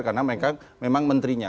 karena mereka memang menterinya